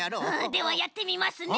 ではやってみますね。